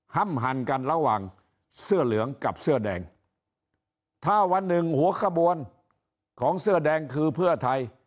่ำหั่นกันระหว่างเสื้อเหลืองกับเสื้อแดงถ้าวันหนึ่งหัวขบวนของเสื้อแดงคือเพื่อไทย